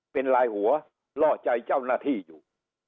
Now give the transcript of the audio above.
เป็นลายหัวล่อใจเจ้าหน้าที่อยู่